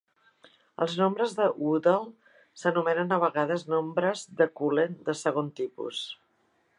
Els nombres de Woodall s'anomenen a vegades nombres de Cullen de segon tipus.